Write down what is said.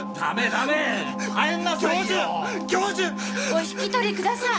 お引き取りください！